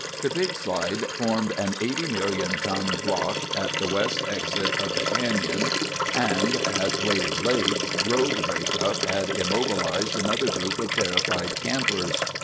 The big slide formed an 80 million ton block at the west exit of the canyon, and at Wade Lake, road breakup had immobilized another group of terrified campers.